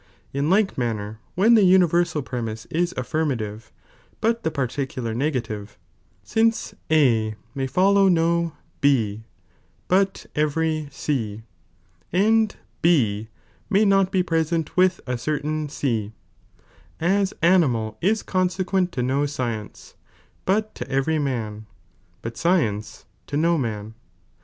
In Uke manner when the universal premise is afGrmative, but the particular negative, since A may follow no B, but every C, and B may not be present with a certain C, as animal is consequent to no science, but to every man, but science to no man.